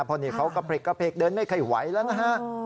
เพราะเนี่ยเขากระเผกกระเผกเดินไม่เคยไหวแล้วนะฮะ